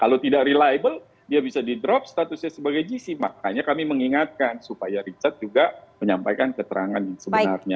kalau tidak reliable dia bisa di drop statusnya sebagai gc makanya kami mengingatkan supaya richard juga menyampaikan keterangan yang sebenarnya